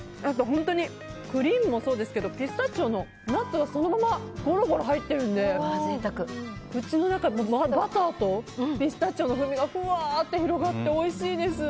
本当にクリームもそうですけどピスタチオのナッツがそのままごろごろ入ってるので口の中バターとピスタチオの風味が広がっておいしいです。